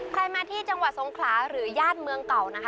ใครมาที่จังหวัดสงขลาหรือญาติเมืองเก่านะคะ